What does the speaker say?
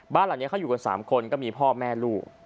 บ้านหลังนี้เขาอยู่กัน๓คนก็มีพ่อแม่ลูก